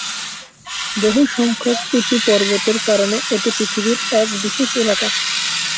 বহুসংখ্যক উঁচু পর্বতের কারণে এটি পৃথিবীর এক বিশেষ এলাকা।